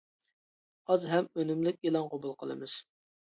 ئاز ھەم ئۈنۈملۈك ئېلان قوبۇل قىلىمىز!